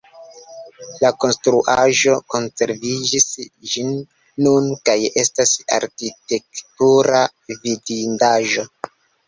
La konstruaĵo konserviĝis ĝis nun kaj estas arkitektura vidindaĵo.